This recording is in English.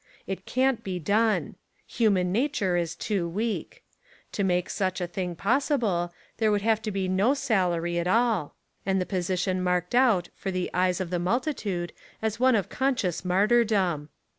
It can't be done. Hu man nature is too weak. To make such a thing possible there would have to be no salary at 170 The Lot of the Schoolmaster all and the position marked out for the eyes of the multitude as one of conscious martyrdom.